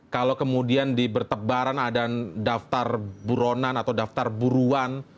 kalau kemudian dibertebaran ada daftar buronan atau daftar buruan